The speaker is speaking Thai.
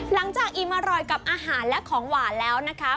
หลังจากอีมอร่อยกับอาหารและของหวานแล้วนะคะ